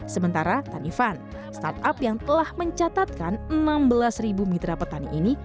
sementara tani fund startup yang telah mencatatkan enam belas ribu mitra petani ini